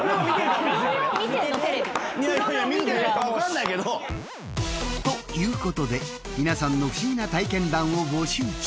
見てるかわかんないけど。ということで皆さんの不思議な体験談を募集中。